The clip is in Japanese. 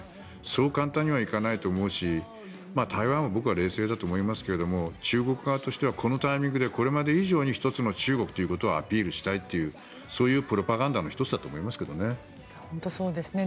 そう簡単にはいかないと思うし台湾は僕は冷静だと思いますが中国側としてはこのタイミングでこれまで以上に一つの中国ということをアピールしたいというそういうプロパガンダの１つだと思いますけどね。